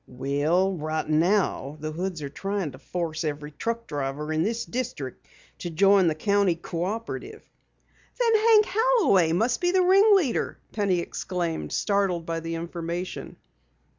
"Well, right now the Hoods are trying to force every truck farmer in this district to join the County Cooperative." "Then Hank Holloway must be the ring leader!" Penny exclaimed, startled by the information.